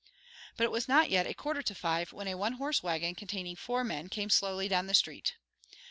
But it was not yet a quarter to five when a one horse wagon containing four men came slowly down the street.